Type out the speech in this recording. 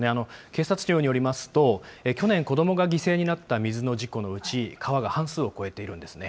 警察庁によりますと、去年、子どもが犠牲になった水の事故のうち、川が半数を超えているんですね。